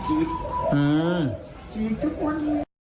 เจีทุกวัน